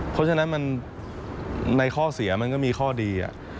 เพราะฉะนั้นในข้อเสียมันก็มีข้อดี